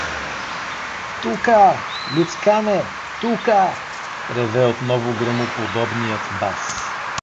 — Тука! Люцкане, тука! — реве отново гръмоподобният бас.